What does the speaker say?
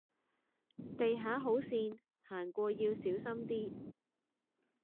地下好跣，行過要小心啲